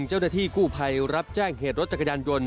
เจ้าหน้าที่กู้ภัยรับแจ้งเหตุรถจักรยานยนต์